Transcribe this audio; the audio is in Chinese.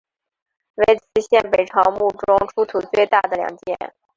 为磁县北朝墓中出土最大的两件。